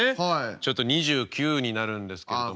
ちょっと２９になるんですけども。